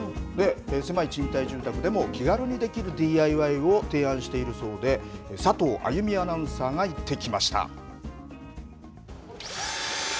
狭い賃貸住宅でも気軽にできるＤＩＹを提案しているそうで、佐藤あゆみアナウンサーが行ってきました。